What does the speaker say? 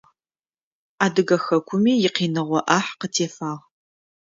Адыгэ хэкуми икъиныгъо ӏахь къытефагъ.